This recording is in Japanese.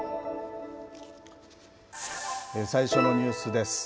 最初のニュースです。